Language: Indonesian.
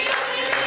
jatah jatah jatah